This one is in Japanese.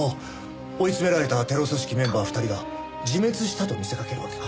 追い詰められたテロ組織メンバー２人が自滅したと見せかけるわけか。